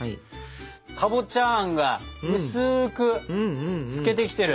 かぼちゃあんが薄く透けてきてる。